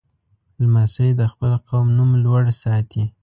لمسی د خپل قوم نوم لوړ ساتي.